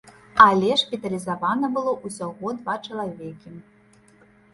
Але шпіталізавана было ўсяго два чалавекі.